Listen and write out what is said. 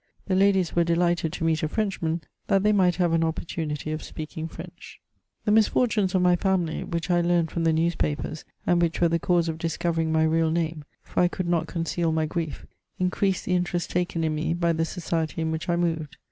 The ladies were delighted to meet a Frenchman, that they might have an opportunity of speaking French. The misfortunes of my family, which I learned from the newspapers, and which were the cause of discovering my real name (for I could not conceal my grief), increased the interest taken in me by the society in which I moved.